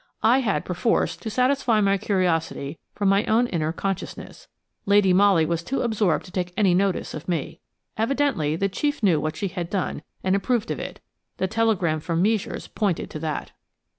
I had, perforce, to satisfy my curiosity from my own inner consciousness. Lady Molly was too absorbed to take any notice of me. Evidently the chief knew what she had done and approved of it: the telegram from Meisures pointed to that.